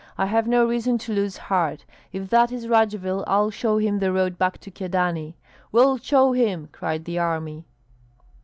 I have no reason to lose heart! If that is Radzivill, I'll show him the road back to Kyedani!" "We'll show him!" cried the army.